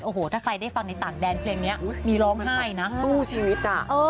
โอ้โหถ้าใครได้ฟังในต่างแดนเพลงนี้มีร้องไห้นะสู้ชีวิตอ่ะ